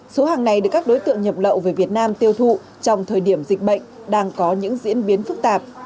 số hàng này được các đối tượng nhập lậu về việt nam tiêu thụ trong thời điểm dịch bệnh đang có những diễn biến phức tạp